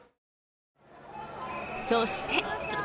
そして。